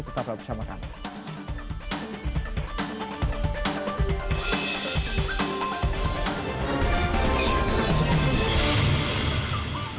tetap bersama kami